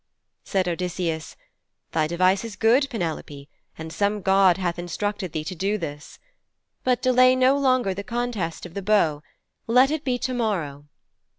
Said Odysseus, 'Thy device is good, Penelope, and some god hath instructed thee to do this. But delay no longer the contest of the bow. Let it be to morrow.'